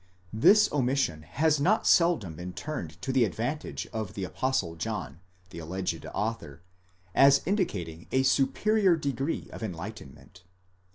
This omission has not seldom been turned to the advantage of the Apostle John, the alleged author, as indicating a superior degree of enlightenment.